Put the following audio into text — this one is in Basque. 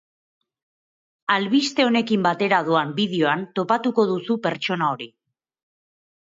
Albiste honekin batera doan bideoan topatuko duzu pertsona hori.